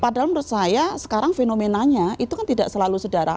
padahal menurut saya sekarang fenomenanya itu kan tidak selalu sedara